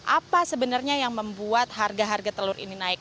apa sebenarnya yang membuat harga harga telur ini naik